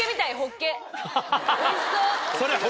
おいしそう。